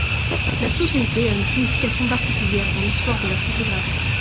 La société a une signification particulière dans l'histoire de la photographie.